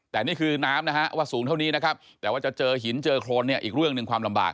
แต่นี่คือน้ำนะฮะว่าสูงเท่านี้นะครับแต่ว่าจะเจอหินเจอโครนเนี่ยอีกเรื่องหนึ่งความลำบาก